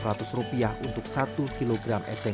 kalau di bandung hujan ageng